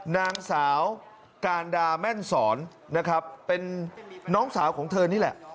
นางสาวการดาแม่นสอนนะครับเป็นน้องสาวของเธอนี่แหละ